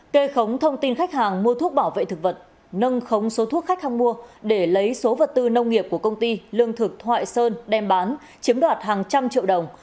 kê khống thông tin khách hàng mua thuốc bảo vệ thực vật nâng khống số thuốc khách hàng mua để lấy số vật tư nông nghiệp của công ty lương thực thoại sơn đem bán chiếm đoạt hàng trăm triệu đồng